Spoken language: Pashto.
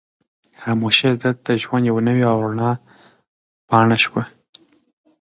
خاموشي د ده د ژوند یوه نوې او رڼه پاڼه شوه.